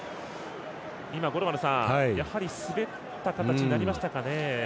今、やはり滑った形になりましたかね。